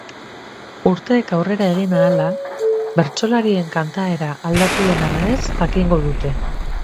Urteek aurrera egin ahala bertsolarien kantaera aldatu den ala ez jakingo dute.